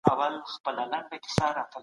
سندونه یوازې د علم اندازه نه کوي.